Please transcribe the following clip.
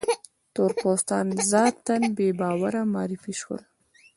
تور پوستان ذاتاً بې باوره معرفي شول.